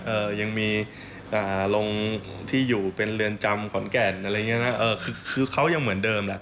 เอ่อยังมีอ่าโรงที่อยู่เป็นเรือนจำขอนแก่นอะไรอย่างเงี้นะเออคือคือเขายังเหมือนเดิมแหละ